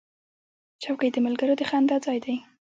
چوکۍ د ملګرو د خندا ځای دی.